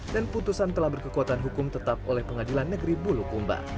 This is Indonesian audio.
dan putusan telah berkekuatan hukum tetap oleh pengadilan negeri bulukumba